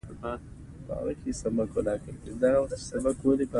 عبدالقدیر به ستاسو خدمت کوي